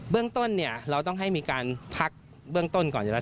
เรื่องต้นเนี่ยเราต้องให้มีการพักเบื้องต้นก่อนอยู่แล้ว